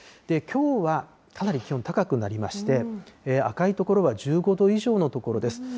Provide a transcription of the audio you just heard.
きょうは、かなり気温高くなりまして、赤い所は１５度以上の所です。